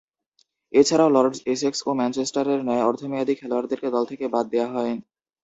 এছাড়াও, Lords Essex ও ম্যানচেস্টারের ন্যায় অর্ধ-মেয়াদী খেলোয়াড়দেরকে দল থেকে বাদ দেয়া হয়।